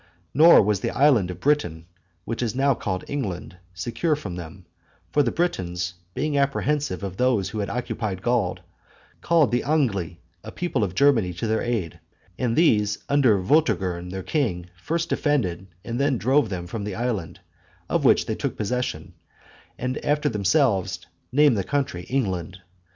Nor was the island of Britain, which is now called England, secure from them; for the Britons, being apprehensive of those who had occupied Gaul, called the Angli, a people of Germany, to their aid; and these under Vortigern their king, first defended, and then drove them from the island, of which they took possession, and after themselves named the country England.